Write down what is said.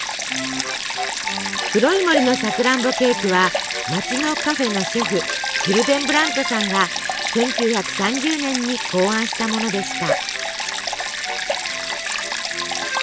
黒い森のさくらんぼケーキは街のカフェのシェフヒルデンブラントさんが１９３０年に考案したものでした。